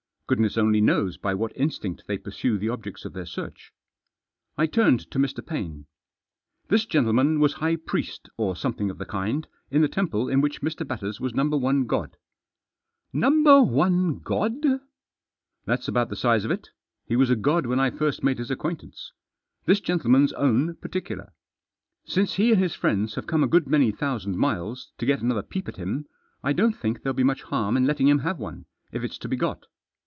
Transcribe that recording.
Goodness only knows by what instinct they pursue the objects of their search. I turned to Mr. Paine. " This gentleman was high priest, or something of the kind, in the temple in which Mr. Batters was Number One God." Digitized by Google IN THE PRESENCE. 901 " Number One God ?"" That's about the size of it. He was a god when I first made his acquaintance. This gentleman's own particular. Since he and his friends have come a good many thousand miles to get another peep at him, I don't think there'll be much harm in letting him have one if it's to be got.